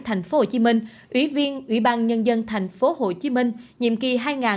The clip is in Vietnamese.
thành phố hồ chí minh ủy viên ủy ban nhân dân thành phố hồ chí minh nhiệm kỳ hai nghìn một mươi một hai nghìn một mươi sáu